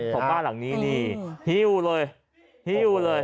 ของบ้านหลังนี้นี่หิวเลยหิวเลย